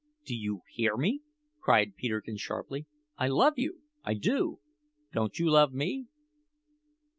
"Do you hear me?" cried Peterkin sharply. "I love you I do! Don't you love me?"